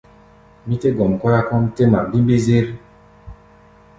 Mí tɛ́ gɔm kɔ́yá kɔ́ʼm tɛ́ ŋma mbímbí-zér.